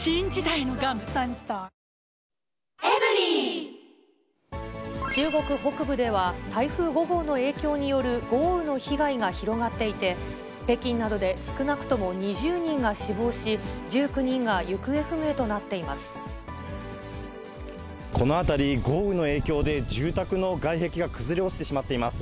明治おいしい牛乳中国北部では、台風５号の影響による豪雨の被害が広がっていて、北京などで少なくとも２０人が死亡し、この辺り、豪雨の影響で住宅の外壁が崩れ落ちてしまっています。